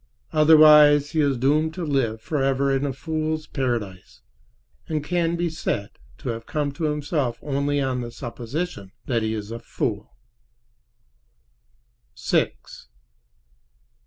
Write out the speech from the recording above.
Otherwise he is doomed to live for ever in a fool's paradise, and can be said to have come to himself only on the supposition that he is a fool.